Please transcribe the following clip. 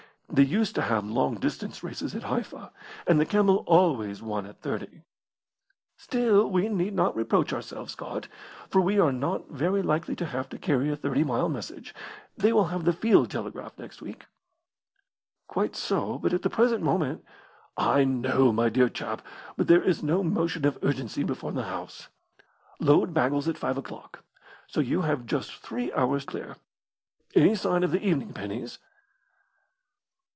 They used to have long distance races at Haifa, and the camel always won at thirty." "Still, we need not reproach ourselves, Scott, for we are not very likely to have to carry a thirty mile message, they will have the field telegraph next week." "Quite so. But at the present moment " "I know, my dear chap; but there is no motion of urgency before the house. Load baggles at five o'clock; so you have Just three hours clear. Any sign of the evening pennies?"